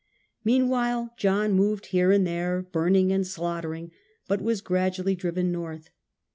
Meanwhile John moved hisre and there, burning and slaughtering, but wds gradually driven .north.